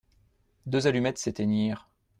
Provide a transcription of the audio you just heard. Deux allumettes s'éteignirent.